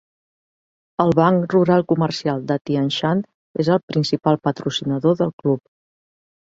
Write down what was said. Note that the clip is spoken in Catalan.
El Banc Rural-Comercial de Tianshan és el principal patrocinador del club.